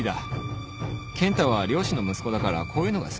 ケン太は漁師の息子だからこういうのが好きだろ